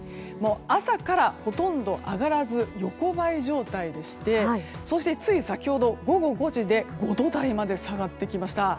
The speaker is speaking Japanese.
朝からほとんど上がらず横ばい状態でしてそしてつい先ほど午後５時で５度台まで下がってきました。